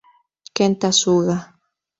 Kenta Suga